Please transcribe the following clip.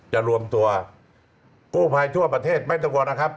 รวมตัวกู้ภัยทั่วประเทศไม่ต้องกลัวนะครับ